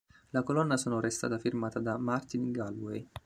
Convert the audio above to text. La colonna sonora è stata firmata da Martin Galway.